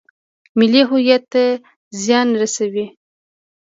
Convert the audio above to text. ملي هویت ته زیان رسوي.